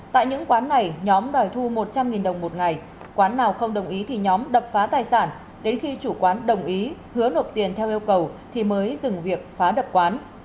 tại những quán này nhóm đòi thu một trăm linh đồng một ngày quán nào không đồng ý thì nhóm đập phá tài sản đến khi chủ quán đồng ý hứa nộp tiền theo yêu cầu thì mới dừng việc phá đập quán